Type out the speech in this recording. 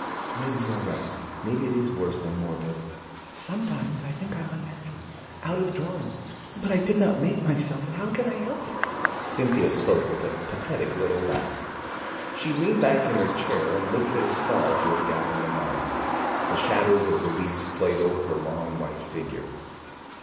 "Maybe you are right, maybe it is worse than morbid. Sometimes I think I am unnatural, out of drawing, but I did not make myself, and how can I help it?" Cynthia spoke with a pathetic little laugh. She leaned her head back in her chair, and looked at a star through a gap in the vines. The shadows of the leaves played over her long, white figure.